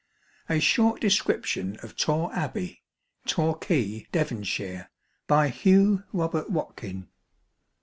A SHORT DESCRIPTION OF Corre TORQUAY, DEVONSHIRE BY HUGH R. WATKIN.